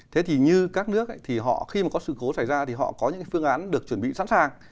thế thì như các nước thì họ khi mà có sự cố xảy ra thì họ có những cái phương án được chuẩn bị sẵn sàng